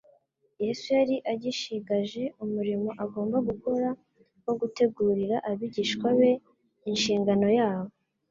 Yesu yari agishigaje umurimo agomba gukora, wo gutegurira abigishwa be inshingano yabo.